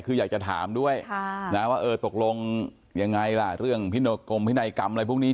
คืออยากจะถามด้วยนะว่าเออตกลงยังไงล่ะเรื่องกรมพินัยกรรมอะไรพวกนี้